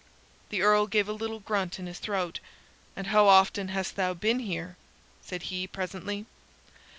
The Earl gave a little grunt in his throat. "And how often hast thou been here?" said he, presently.